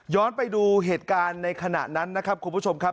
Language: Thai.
ไปดูเหตุการณ์ในขณะนั้นนะครับคุณผู้ชมครับ